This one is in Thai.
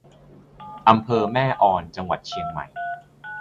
อำเภอแม่ออน จังหวัดเชียงใหม่